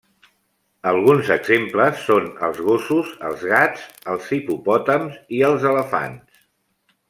Alguns exemples són els gossos, els gats, els hipopòtams i els elefants.